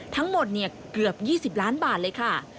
ทั้งหมดเกือบ๒๐ล้านบาทเลยค่ะ